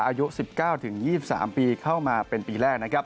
อายุ๑๙๒๓ปีเข้ามาเป็นปีแรกนะครับ